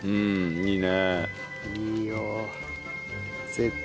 いいね。